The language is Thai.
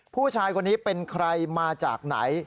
ผู้ชายคนนี้เป็นใครมาจากไหน